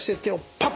パッ。